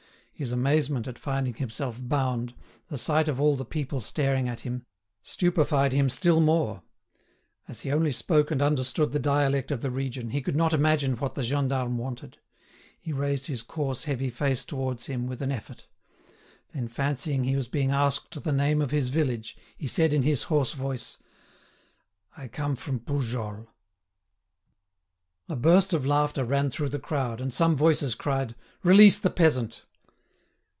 His amazement at finding himself bound, the sight of all the people staring at him, stupefied him still more. As he only spoke and understood the dialect of the region, he could not imagine what the gendarme wanted. He raised his coarse, heavy face towards him with an effort; then, fancying he was being asked the name of his village, he said in his hoarse voice: "I come from Poujols." A burst of laughter ran through the crowd, and some voices cried: "Release the peasant."